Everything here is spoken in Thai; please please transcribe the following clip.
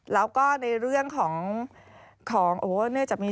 แล้วก็ในเรื่องของของเนื่องจากมี